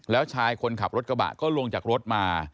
แล้วชายคนขับรถกระบะก็ลงจากรถมา